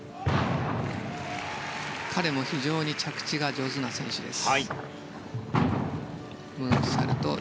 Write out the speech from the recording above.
彼も非常に着地が上手な選手です。